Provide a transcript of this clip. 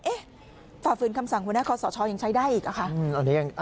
ฝ่าฝืนคำสั่งหัวหน้าคอสชยังใช้ได้อีกเหรอคะ